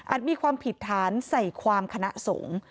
มีความผิดฐานใส่ความคณะสงฆ์